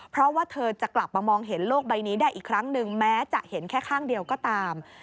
เพราะว่าเธอจะกลับมามองเห็นโลกใบนี้ได้อีกครั้งหนึ่งแม้จะเห็นแค่ข้างเดียวก็ตาม